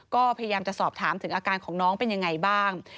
ก็พยายามจะสอบถามถึงอาการของน้องเป็นยังไงบ้าง